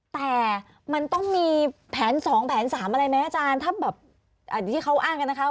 แต่มันต้องมีแผน๒แผน๓อะไรไหมอาจารย์ถ้าแบบที่เขาอ้างกันนะคะ